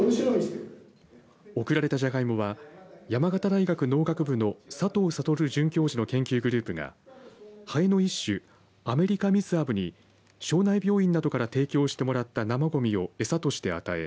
贈られたジャガイモは山形大学農学部の佐藤智准教授の研究グループがハエの一種アメリカミズアブに荘内病院などから提供してもらった生ごみを餌として与え